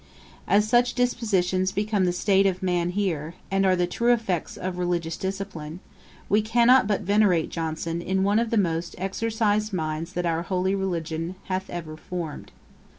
As such dispositions become the state of man here, and are the true effects of religious discipline, we cannot but venerate in Johnson one of the most exercised minds that our holy religion hath ever formed.